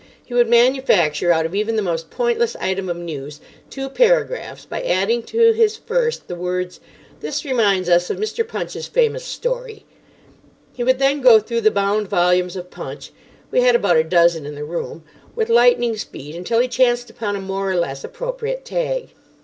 He would manufacture out of even the most pointless item of news two paragraphs by adding to his first the words, "This reminds us of Mr. Punch's famous story." He would then go through the bound volumes of Punch—we had about a dozen in the room—with lightning speed until he chanced upon a more or less appropriate tag.